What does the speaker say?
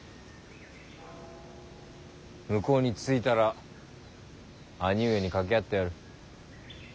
向こうに着いたら兄上に掛け合ってやる。